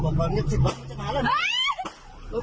มันใสจริง